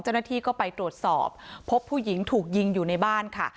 เจ้าหน้าที่ก็ไปตรวจสอบพบผู้หญิงถูกยิงอยู่ในบ้านค่ะ